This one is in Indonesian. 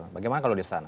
bagaimana kalau di sana